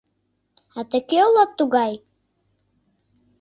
— А тый кӧ улат тугай?